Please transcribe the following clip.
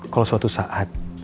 kalau suatu saat